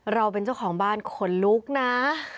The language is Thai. เราเป็นเจ้าของบ้านขนลุกนะ